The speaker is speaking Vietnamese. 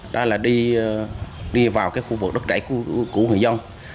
đó là đi vào khu vực đất đáy của người dân